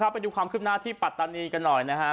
ไปดูความคืบหน้าที่ปัตตานีกันหน่อยนะฮะ